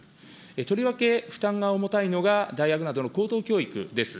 とりわけ負担が重たいのが、大学などの高等教育です。